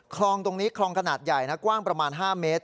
คลองตรงนี้คลองขนาดใหญ่นะกว้างประมาณ๕เมตร